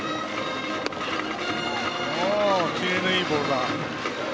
キレのいいボールでした。